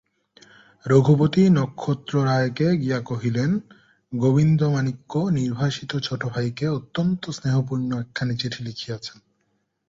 রঘুপতি নক্ষত্ররায়কে গিয়া কহিলেন, গোবিন্দমাণিক্য নির্বাসিত ছোটো ভাইকে অত্যন্ত স্নেহপূর্ণ একখানি চিঠি লিখিয়াছেন।